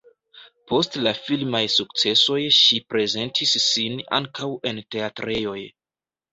Post la filmaj sukcesoj ŝi prezentis sin ankaŭ en teatrejoj.